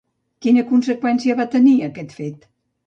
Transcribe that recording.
Quina conseqüència va tenir aquest fet?